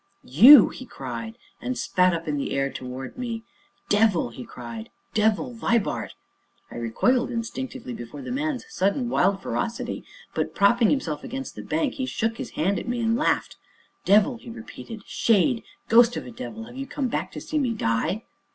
"You!" he cried, and spat up in the air towards me; "devil!" he cried, "Devil Vibart." I recoiled instinctively before the man's sudden, wild ferocity, but, propping himself against the bank, he shook his hand at me, and laughed. "Devil!" he repeated; "shade! ghost of a devil! have you come back to see me die?"